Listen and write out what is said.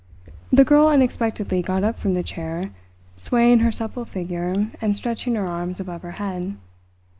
The girl unexpectedly got up from the chair, swaying her supple figure and stretching her arms above her head.